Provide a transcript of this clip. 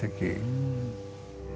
うん。